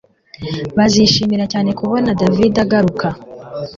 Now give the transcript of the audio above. Bazishimira cyane kubona David agaruka